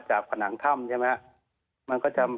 จากผนังถ้ำใช่ไหมฮะ